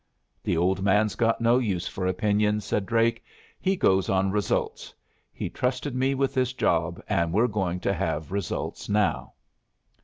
"The old man's got no use for opinions," said Drake. "He goes on results. He trusted me with this job, and we're going to have results now."